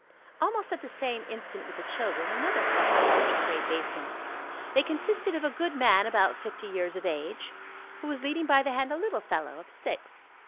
Almost at the same instant with the children, another couple approached the great basin. They consisted of a goodman, about fifty years of age, who was leading by the hand a little fellow of six.